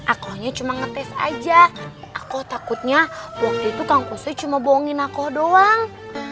akonya cuma ngetes aja aku takutnya waktu itu kang kusoy cuma bohongin aku doang